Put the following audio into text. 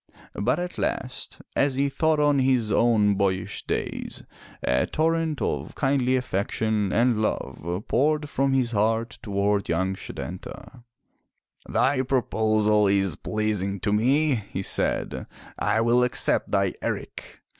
But at last, as he thought on his own boyish days, a torrent of kindly affection and love poured from his heart toward young Setanta. "Thy proposal is pleasing to me," he said, "I will accept thy eric!"